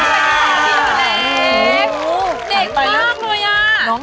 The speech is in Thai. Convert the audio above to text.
สวัสดีค่ะพี่หนูเล็ก